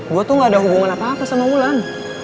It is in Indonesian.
gue tuh gak ada hubungan apa apa sama wulan